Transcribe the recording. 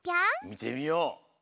みてみよう。